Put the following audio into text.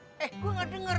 eh gue gak dengar